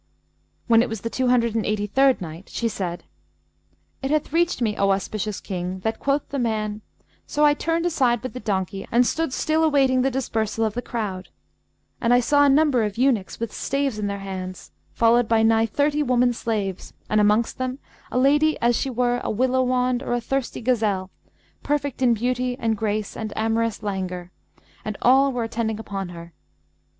When it was the Two Hundred and Eighty third Night, She said, It hath reached me, O auspicious King, that quoth the man, "So I turned aside with the donkey and stood still awaiting the dispersal of the crowd; and I saw a number of eunuchs with staves in their hands, followed by nigh thirty women slaves, and amongst them a lady as she were a willow wand or a thirsty gazelle, perfect in beauty and grace and amorous languor, and all were attending upon her.